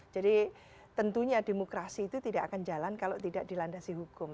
jadi tentunya demokrasi itu tidak akan jalan kalau tidak dilandasi hukum